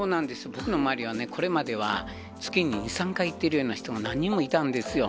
僕の周りは、これまでは月に２、３回行ってるような人が何人もいたんですよ。